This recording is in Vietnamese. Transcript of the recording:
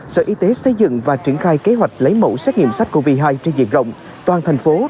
sở y tế xây dựng và triển khai kế hoạch lấy mẫu xét nghiệm sách covid một mươi chín trên diện rộng toàn thành phố